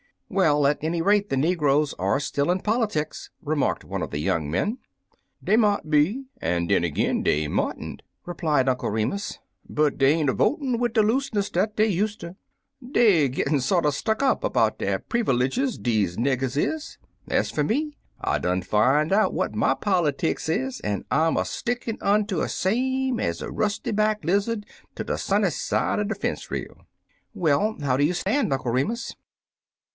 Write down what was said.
"Well, at any rate, the negroes are still in politics," remarked one of the young men. "Dey mout be, an' den ag'in dey mout n't," replied Uncle Remus^ "but dey ain't 167 Uncle Remus Returns cr votin' wid'de looseness dat dey useter. Deyer gittin' sorter stuck up 'bout dere prevalidges, dese niggers is. £z fer me, I done fin' out what my politics is, an' I 'm er stickin' unto um same ez er rusty back lizard ter de sunny side uv er fence rail." Well, how do you stand. Uncle Remus